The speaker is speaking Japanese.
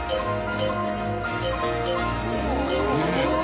すげえ！